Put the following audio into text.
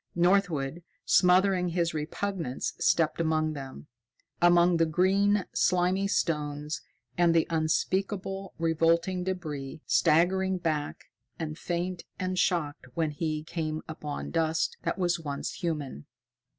Northwood, smothering his repugnance, stepped among them among the green, slimy stones and the unspeakable revolting débris, staggering back and faint and shocked when he came upon dust that was once human.